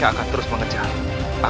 tidak dibayangkan saja akan mati